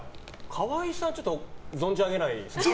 河合さん存じ上げないですね。